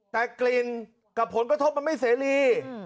แต่กลิ่นกับผลกระทบมันไม่เสรี